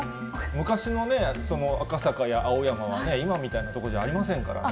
昔のね、赤坂や青山はね、今みたいな所じゃありませんからね。